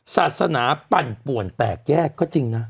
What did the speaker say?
ศาสนาปั่นป่วนแตกแยกก็จริงนะ